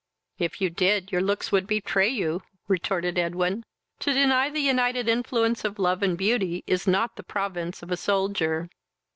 "If you did, your looks would betray you, (retorted Edwin.) To deny the united influence of love and beauty is not the province of a soldier."